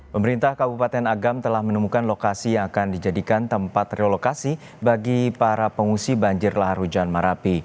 pemerintah kabupaten agam telah menemukan lokasi yang akan dijadikan tempat relokasi bagi para pengungsi banjir lahar hujan marapi